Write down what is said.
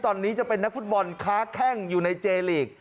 ตอนนี้จะเป็นนักฟุตบอลค้าแข้งอยู่ในเจลีก